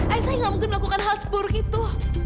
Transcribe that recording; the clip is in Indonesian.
ayah saya gak mungkin melakukan hal seburuk itu